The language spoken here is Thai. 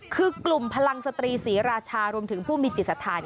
คือกลุ่มพลังสตรีศรีราชารวมถึงผู้มีจิตสถาน